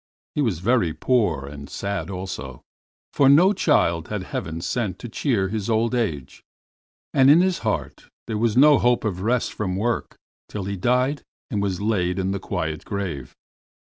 He was very poor and sad also, for no child had Heaven sent to cheer his old age, and in his heart there was no hope of rest from work till he died and was laid in the quiet grave.